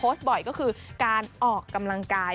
แถวที่โพสต์บ่อยก็คือการออกกำลังกาย